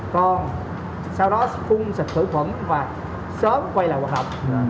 còn sau đó phun sạch thử phẩm và sớm quay lại hoạt động